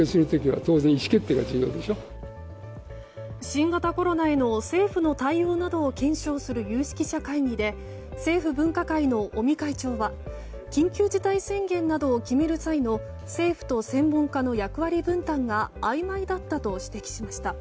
新型コロナへの政府の対応などを検証する有識者会議で政府分科会の尾身会長は緊急事態宣言などを決める際の政府と専門家の役割分担があいまいだったと指摘しました。